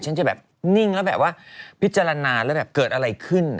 ฉันจะต้องนิ่งแล้วพิจารณาแล้วเกิดอะไรขึ้น